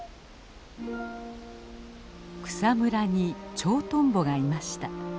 草むらにチョウトンボがいました。